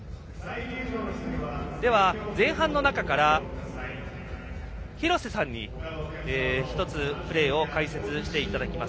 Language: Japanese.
前半の中から廣瀬さんに１つプレーを解説していただきます。